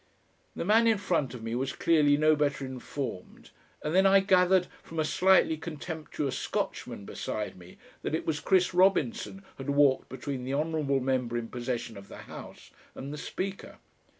The man in front of me was clearly no better informed, and then I gathered from a slightly contemptuous Scotchman beside me that it was Chris Robinson had walked between the honourable member in possession of the house and the Speaker.